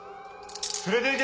連れて行け。